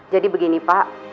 jadi begini pak